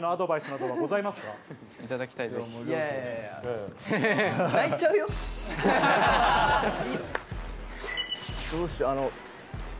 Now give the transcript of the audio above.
どうしよう。